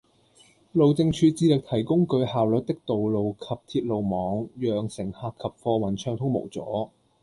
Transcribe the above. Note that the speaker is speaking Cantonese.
路政署致力提供具效率的道路及鐵路網，讓乘客及貨運暢通無阻